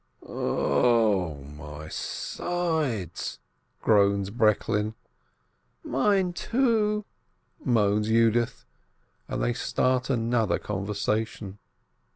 "0 my sides!" groans Breklin. ''Mine, too!" moans Yudith, and they start another conversation.